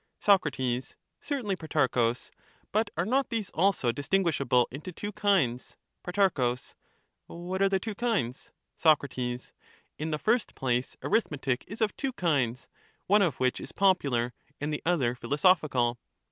Soc, Certainly, Protarchus; but are not these also dis tinguishable into two kinds ? Pro. What are the two kinds ? Sac, In the first place, arithmetic is of two kinds, one of which is popular, and the other philosophical.